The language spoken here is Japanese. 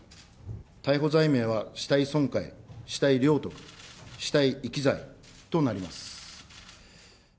逮捕罪名は死体損壊、死体領得、死体遺棄罪となります。